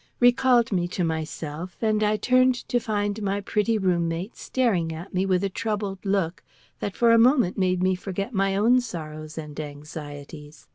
recalled me to myself, and I turned to find my pretty room mate staring at me with a troubled look that for a moment made me forget my own sorrows and anxieties.